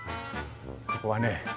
「ここはね